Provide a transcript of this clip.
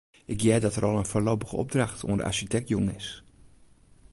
Ik hear dat der al in foarlopige opdracht oan de arsjitekt jûn is.